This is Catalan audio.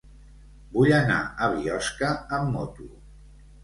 Vull anar a Biosca amb moto.